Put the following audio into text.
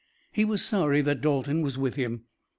He was sorry that Dalton was with him.